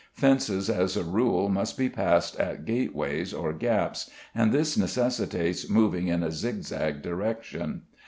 Fences, as a rule, must be passed at gateways or gaps, and this necessitates moving in a zig zag direction.